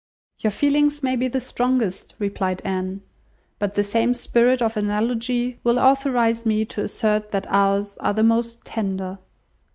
"Your feelings may be the strongest," replied Anne, "but the same spirit of analogy will authorise me to assert that ours are the most tender.